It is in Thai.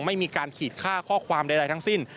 ไม่มีการขีดค่าข้อความใดทั้งสิ้น